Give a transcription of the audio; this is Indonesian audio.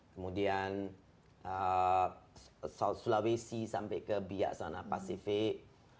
kemudian sulawesi sampai ke biak sana pasifik